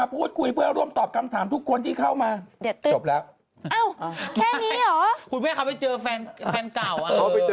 ก็คือลืมไม่ให้ภายกันไป